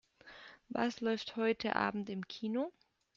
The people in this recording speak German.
Was läuft heute Abend im Kino?